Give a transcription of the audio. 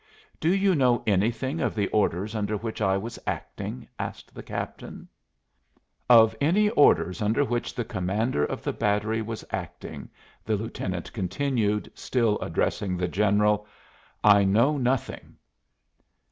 "Do you know anything of the orders under which I was acting?" asked the captain. "Of any orders under which the commander of the battery was acting," the lieutenant continued, still addressing the general, "I know nothing."